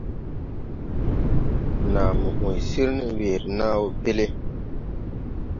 Naa mo ‘ũy sir ne weere nàa wɔ pel.